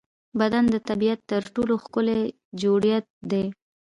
بدن د طبیعت تر ټولو ښکلی جوړڻت دی.